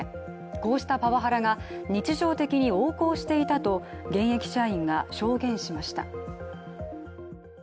こうしたパワハラが日常的に横行していたと現役社員が証言しました。